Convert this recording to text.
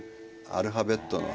アルファベットに？